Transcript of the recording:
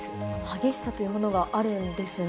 激しさというものがあるんですね。